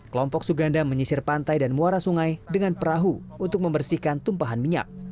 kelompok suganda menyisir pantai dan muara sungai dengan perahu untuk membersihkan tumpahan minyak